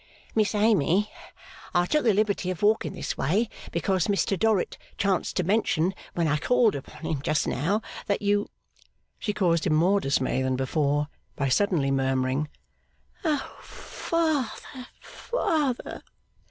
'Miss Amy, I took the liberty of walking this way, because Mr Dorrit chanced to mention, when I called upon him just now, that you ' She caused him more dismay than before by suddenly murmuring, 'O father, father!